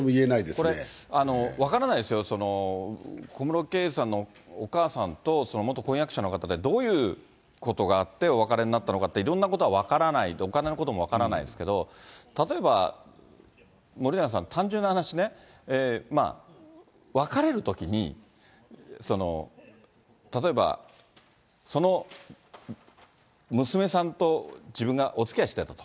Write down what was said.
これ、分からないですよ、小室圭さんのお母さんと、元婚約者の方で、どういうことがあってお別れになったのかって、いろんなことは分からないと、お金のことも分からないですけども、例えば森永さん、単純な話ね、別れるときに、例えば、その娘さんと自分がおつきあいしてたと。